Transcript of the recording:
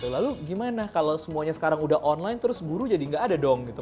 lalu gimana kalau semuanya sekarang udah online terus guru jadi nggak ada dong gitu